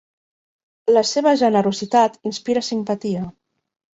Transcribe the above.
La seva generositat inspira simpatia.